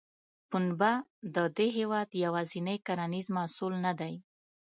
پنبه د دې هېواد یوازینی کرنیز محصول نه دی.